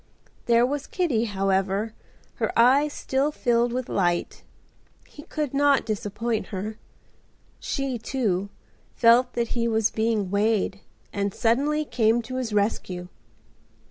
There was Kitty, however, her eyes still filled with light. He could not disappoint her. She, too, felt that he was being weighed and suddenly came to his rescue.